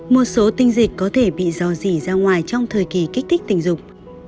một số tinh dịch có thể bị dò dỉ ra ngoài trong thời kỳ kích thích tình dục